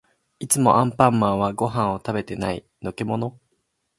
いつもアンパンマンはご飯を食べてない。のけもの？